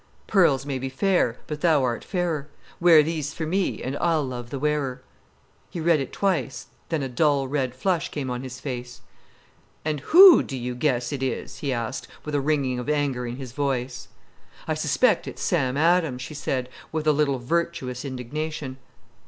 "Pearls may be fair, but thou art fairer. Wear these for me, and I'll love the wearer." He read it twice, then a dull red flush came on his face. "And who do you guess it is?" he asked, with a ringing of anger in his voice. "I suspect it's Sam Adams," she said, with a little virtuous indignation.